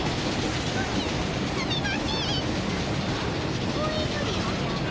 聞こえぬでおじゃる。